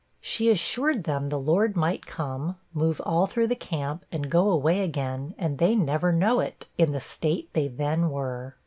She assured them, 'the Lord might come, move all through the camp, and go away again, and they never know it,' in the state they then were.